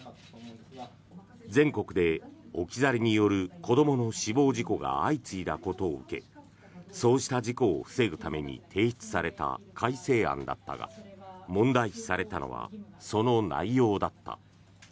全国で置き去りによる子どもの死亡事故が相次いだことを受けそうした事故を防ぐために提出された改正案だったが問題視されたのはその内容だった。